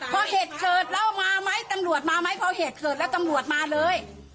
พอเหตุเกิดแล้วมาไหมตำรวจมาไหมพอเหตุเกิดแล้วตำรวจมาเลย